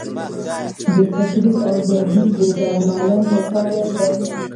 فکري ازادي د درمل پیل دی.